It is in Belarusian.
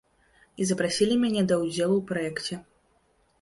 І запрасілі мяне да ўдзелу ў праекце.